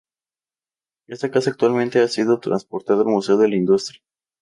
Esta casa actualmente ha sido transportada al Museo de la Industria.